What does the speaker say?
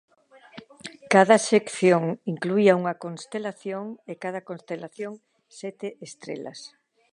Cada sección incluía unha constelación e cada constelación sete estrelas.